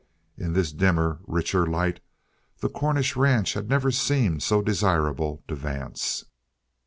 In this dimmer, richer light the Cornish ranch had never seemed so desirable to Vance.